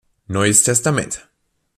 Neues Testament.